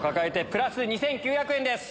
プラス２９００円です。